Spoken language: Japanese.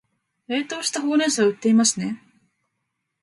冷凍したほうれん草は売っていますね